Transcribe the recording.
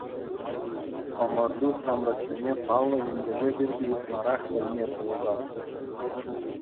Ӑмӑрту ҫамрӑксене паллӑ ентешӗ пирки ытларах пӗлме пулӑшать.